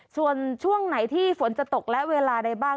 ส่วนช่วงไหนที่ฝนจะตกและเวลาใดบ้าง